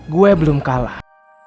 gue belum kalah